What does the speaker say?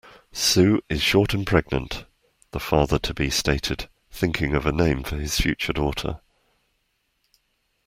"Sue is short and pregnant", the father-to-be stated, thinking of a name for his future daughter.